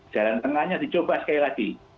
jalan tengahnya dicoba sekali lagi